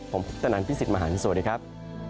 ผมพุทธนันพี่สิทธิ์มหันฯสวัสดีครับ